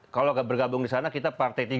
kalau bergabung disana kita partai tiga